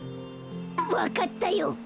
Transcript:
わかったよ。